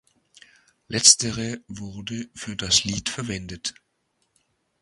Letztere wurde für das Lied verwendet.